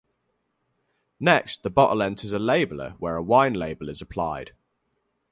Next the bottle enters a "labeller" where a wine label is applied.